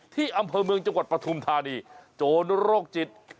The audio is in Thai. อำเภอเมืองจังหวัดปฐุมธานีโจรโรคจิต